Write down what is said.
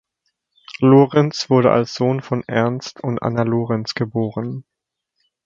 Lorenz wurde als Sohn von Ernst und Anna Lorenz geboren.